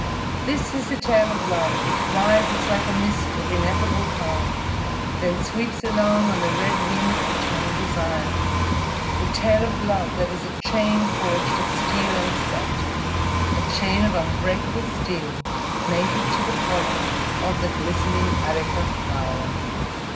_ _This is the tale of love which rises like a mist of ineffable calm, then sweeps along on the red wings of eternal desire the tale of love that is a chain forged of steel and scent, a chain of unbreakable steel mated to the pollen of the glistening areka flower.